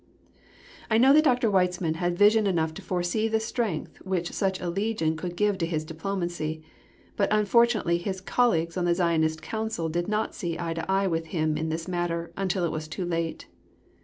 I know that Dr. Weizmann had vision enough to foresee the strength which such a legion would give to his diplomacy, but unfortunately his colleagues on the Zionist Council did not see eye to eye with him in this matter until it was too late.